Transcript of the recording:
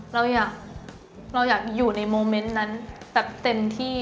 เราอยากอยู่ในโมเมนต์นั้นแบบเต็มที่